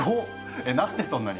え何でそんなに？